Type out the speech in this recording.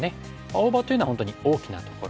大場というのは本当に大きなところ。